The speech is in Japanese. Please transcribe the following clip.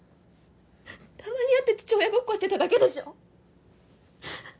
たまに会って父親ごっこしてただけでしょ